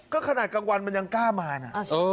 ก็ขนาดกลางวันมันยังกล้ามานะ